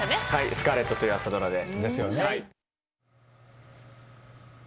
『スカーレット』という朝ドラで。